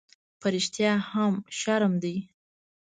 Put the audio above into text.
_په رښتيا هم، شرم دی؟